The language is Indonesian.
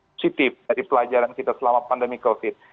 positif dari pelajaran kita selama pandemi covid